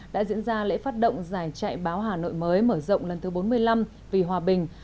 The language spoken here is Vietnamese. đã diễn ra lễ phát động giải chạy báo hà nội mới mở rộng lần thứ bốn mươi năm vì hòa bình